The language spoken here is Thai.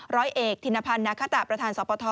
ร้อยเอกธินพันธ์นาคตะประธานสปท